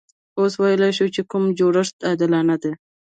اوس ویلای شو چې کوم جوړښت عادلانه دی.